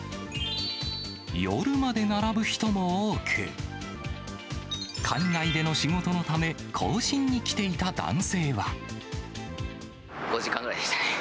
夜まで並ぶ人も多く、海外での仕事のため、５時間ぐらいでしたね。